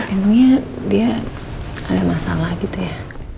emangnya dia ada masalah gitu ya